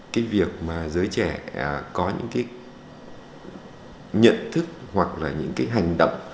cái việc mà giới trẻ có những cái nhận thức hoặc là những cái hành động